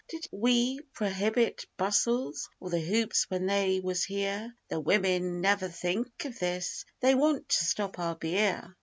Did we prohibit bustles or the hoops when they was here? The wimin never think of this they want to stop our beer.